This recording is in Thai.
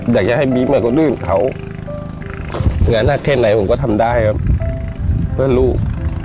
อยากให้มีมันก็รื่นเขางานอาทิตย์ไหนผมก็ทำได้ครับเพื่อลูก